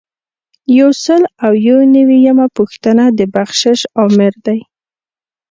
یو سل او یو نوي یمه پوښتنه د بخشش آمر دی.